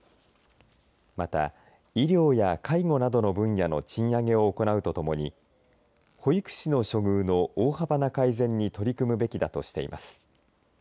また、医療や介護などの分野の賃上げを行うとともに保育士の処遇の大幅な改善に取り組むべきだとしています。